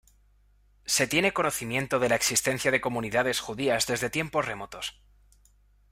Se tiene conocimiento de la existencia de comunidades judías desde tiempos remotos.